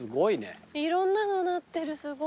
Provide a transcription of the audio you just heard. いろんなのなってるすごいな。